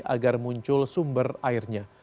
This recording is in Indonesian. agar muncul sumber airnya